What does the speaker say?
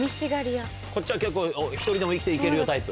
こっちは結構１人でも生きていけるよタイプ？